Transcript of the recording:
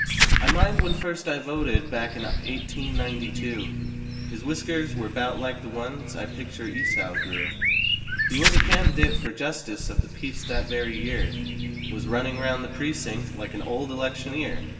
I mind when first I voted back in eighteen ninety two. His whiskers were 'bout like the ones I picture Esau grew. He was candidate for Justice of tht Peace that very year Was running round the precinct like an old elec¬ tioneer.